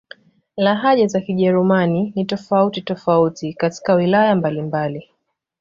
Lahaja za Kijerumani ni tofauti-tofauti katika wilaya mbalimbali.